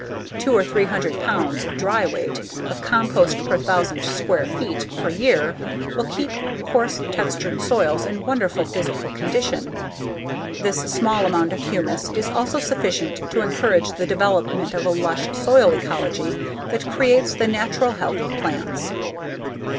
Two or three hundred pounds (dry weight) of compost per thousand square feet per year will keep coarse textured soils in wonderful physical condition. This small amount of humus is also sufficient to encourage the development of a lush soil ecology that creates the natural health of plants.